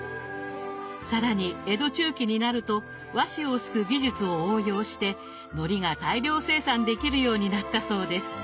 更に江戸中期になると和紙をすく技術を応用してのりが大量生産できるようになったそうです。